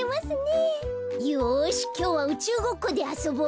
よしきょうはうちゅうごっこであそぼう。